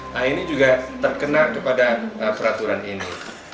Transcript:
nah ini juga terkena kepada peraturan ini